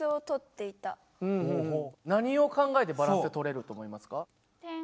何を考えてバランスって取れると思いますか？